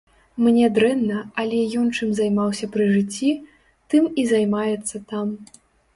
Мне дрэнна, але ён чым займаўся пры жыцці, тым і займаецца там.